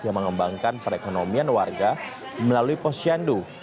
yang mengembangkan perekonomian warga melalui posyandu